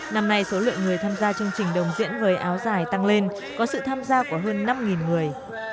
năm nay số lượng người tham gia chương trình đồng diễn với áo dài tăng lên có sự tham gia của hơn năm người